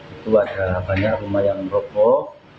itu ada banyak rumah yang roboh